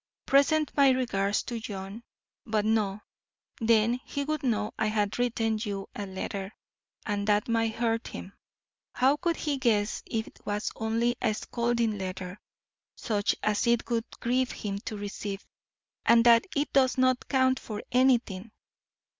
Present my regards to John But no; then he would know I had written you a letter, and that might hurt him. How could he guess it was only a scolding letter, such as it would grieve him to receive, and that it does not count for anything!